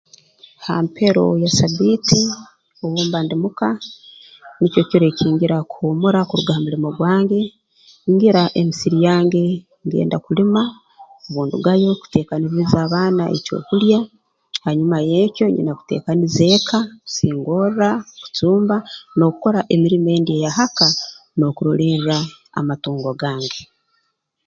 Ha mpero ya Sabbiiti obu mba ndimuka nikyo kiro ekingira kuhuumura kuruga ha mulimo gwange ngira emisiri yange ngenda kulima obundugayo kuteekanirriza abaana ekyokulya hanyuma y'ekyo nyina kuteekaniza eka kusingorra kucumba n'okukora emirimo endi eya ha ka n'okurolerra amatungo gange